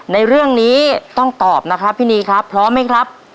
ในเรื่องนี้ต้องตอบนะครับพี่นีครับพร้อมไหมครับ